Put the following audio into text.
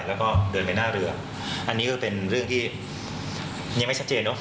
แล้วก็เดินไปหน้าเรืออันนี้ก็เป็นเรื่องที่ยังไม่ชัดเจนเนอะ